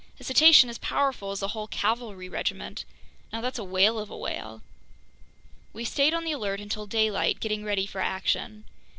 "A cetacean as powerful as a whole cavalry regiment—now that's a whale of a whale!" We stayed on the alert until daylight, getting ready for action.